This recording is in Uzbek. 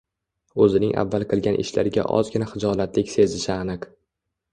Oʻzining avval qilgan ishlariga ozgina xijolatlik sezishi aniq.